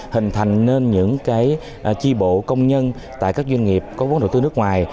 hình thành nên những chi bộ công nhân tại các doanh nghiệp có vốn đầu tư nước ngoài